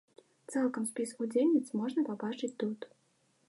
Цалкам спіс удзельніц можна пабачыць тут.